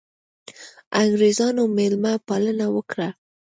انګرېزانو مېلمه پالنه وکړه.